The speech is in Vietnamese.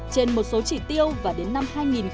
trên một số chỉ tiêu và đến năm hai nghìn hai mươi